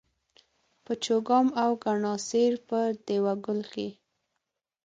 په چوګام او کڼاسېر په دېوه ګل کښي